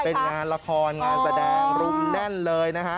เป็นงานละครงานแสดงรุมแน่นเลยนะฮะ